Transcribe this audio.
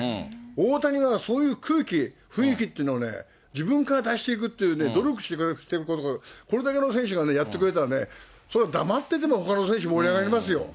大谷がそういう空気、雰囲気っていうのを自分から出していくっていうね、努力してくれてることがこれだけの選手がやってくれたらね、それは黙っててもほかの選手、盛り上がりますよ。